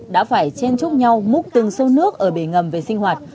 đã phải chen chúc nhau múc từng xô nước ở bể ngầm về sinh hoạt